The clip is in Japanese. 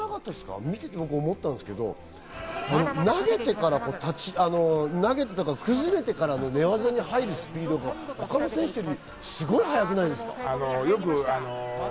僕見てて思ったんですけど、投げてから、投げてというか、崩れてからの寝技に入るスピードが他の選手よりもすごく早くないですか？